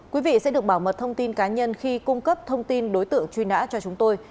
quý vị sẽ được bảo mật thông tin cá nhân khi cung cấp thông tin đối tượng truy nã cho chúng tôi